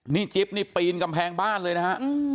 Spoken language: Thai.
นี่จิ๊บนี่ปีนกำแพงบ้านเลยนะฮะ